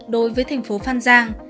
đối với thành phố phan giang